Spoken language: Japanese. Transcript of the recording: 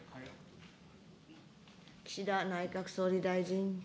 岸田内閣総理大臣。